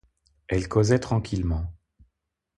Elle causait tranquillement.